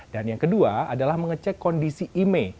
dan yang kedua adalah mengecek kondisi imei